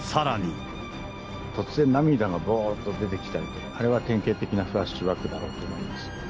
突然、涙がぼろっと出てきたり、あれは典型的なフラッシュバックだろうと思います。